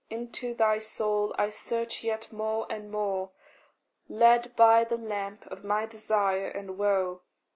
Into thy soul I search yet more and more, Led by the lamp of my desire and woe.